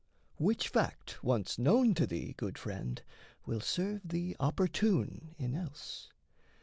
Which fact once known to thee, Good friend, will serve thee opportune in else.